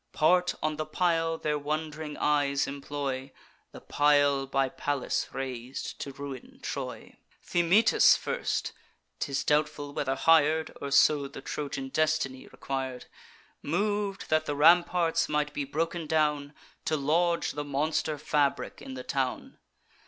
Part on the pile their wond'ring eyes employ: The pile by Pallas rais'd to ruin Troy. Thymoetes first ('tis doubtful whether hir'd, Or so the Trojan destiny requir'd) Mov'd that the ramparts might be broken down, To lodge the monster fabric in the town.